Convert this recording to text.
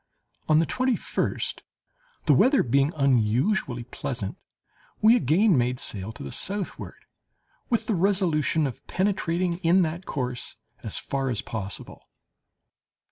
On the twenty first, the weather being unusually pleasant, we again made sail to the southward, with the resolution of penetrating in that course as far as possible.